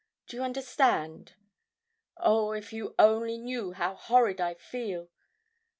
Do you understand? Oh, if you only knew how horrid I feel.